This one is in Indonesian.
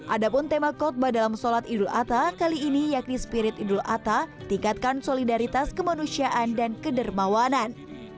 ada pun tema kotba dalam solat idul atta kali ini yakni spirit idul atta tingkatkan solidaritas kemanusiaan dan kedermawanan